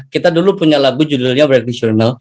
kita dulu punya lagu judulnya brand new journal